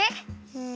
うん。